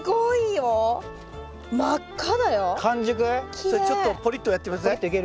それちょっとポリッとやって下さい。